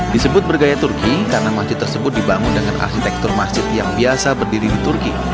disebut bergaya turki karena masjid tersebut dibangun dengan arsitektur masjid yang biasa berdiri di turki